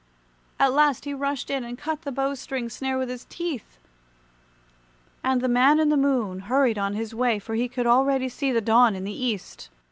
At last he rushed in and cut the bow string snare with his teeth, and the Man in the Moon hurried on his way, for he could already see the dawn in the East.